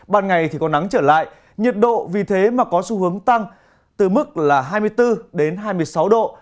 ban ngày thì có nắng trở lại nhiệt độ vì thế mà có xu hướng tăng từ mức là hai mươi bốn đến hai mươi sáu độ